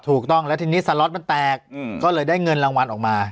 ถูกต้องแล้วทีนี้สล็อตมันแตกก็เลยได้เงินรางวัลออกมา